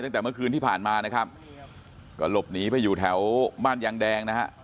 ตั้งแต่เมื่อคืนที่ผ่านมานะครับก็หลบหนีไปอยู่แถวบ้านยางแดงนะฮะ